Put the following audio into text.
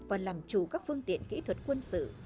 và làm chủ các phương tiện kỹ thuật quân sự